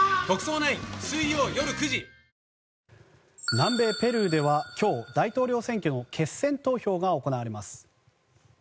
南米ペルーでは今日、大統領選挙の決選投票が行われます。